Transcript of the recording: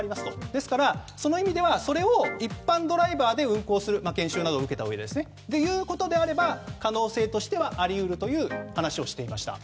ですから、その意味ではそれを一般ドライバーで運行する研修などを受けたうえでということであれば可能性としてはあり得るという話をしていました。